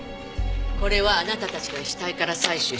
これはあなたたちが死体から採取した微物。